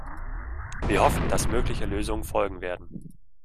Wir hoffen, dass mögliche Lösungen folgen werden.